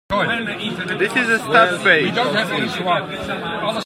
This is a stub page.